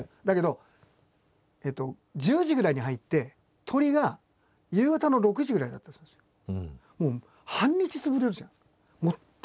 だけど１０時ぐらいに入って撮りが夕方の６時くらいだったりするんですよ。